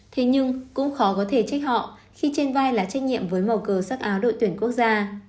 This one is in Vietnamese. thế nhưng cũng khó có thể trích họ khi trên vai là trách nhiệm với màu cờ sắc áo đội tuyển quốc gia